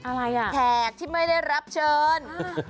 อะไรอ่ะแขกที่ไม่ได้รับเชิญ